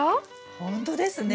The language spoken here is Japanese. ほんとですね。